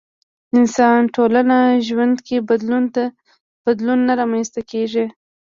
انسان ټولنه ژوند کې بدلون نه رامنځته کېږي.